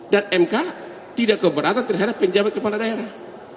dan mk tidak keberatan terhadap penjabat kepala daerah